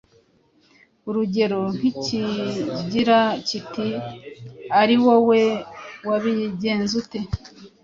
urugero nk’ikigira kiti ari wowe wabigenza ute